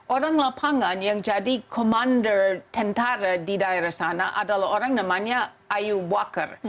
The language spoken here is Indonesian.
orang lapangan yang jadi komandor tentara di daerah sana adalah orang namanya ayu waker